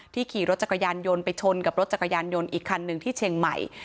ขี่รถจักรยานยนต์ไปชนกับรถจักรยานยนต์อีกคันหนึ่งที่เชียงใหม่